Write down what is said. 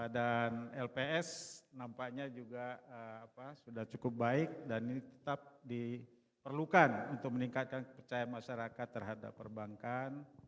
dan lps nampaknya juga sudah cukup baik dan ini tetap diperlukan untuk meningkatkan kepercayaan masyarakat terhadap perbankan